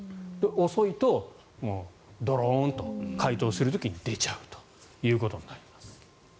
遅いとドロンと解凍する時に出ちゃうということになります。